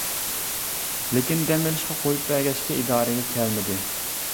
لېكىن دەم ئېلىشقا قويۇپ بەرگەچكە ئىدارىگە كەلمىدى.